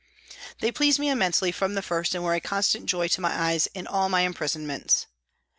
They pleased me immensely from the first and were a constant joy to my eyes in all my imprisonments.